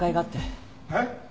えっ？